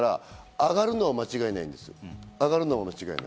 上がるのは間違いない。